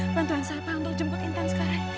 bantuan siapa untuk jemput intan sekarang